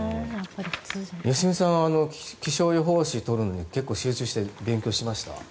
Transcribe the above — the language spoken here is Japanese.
良純さんは気象予報士を取るのに結構、集中して勉強しました？